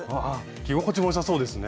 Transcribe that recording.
着心地もよさそうですね。